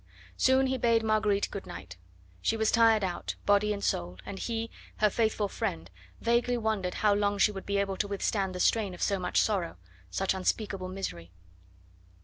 Soon he bade Marguerite good night. She was tired out, body and soul, and he her faithful friend vaguely wondered how long she would be able to withstand the strain of so much sorrow, such unspeakable misery.